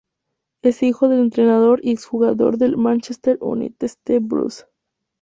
Es hijo del entrenador y ex jugador del Manchester United Steve Bruce.